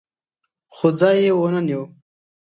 خو ځای یې ونه نیو.